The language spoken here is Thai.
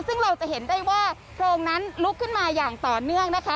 ซึ่งเราจะเห็นได้ว่าเพลิงนั้นลุกขึ้นมาอย่างต่อเนื่องนะคะ